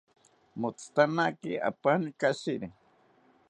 Motzitanaki apani kashiri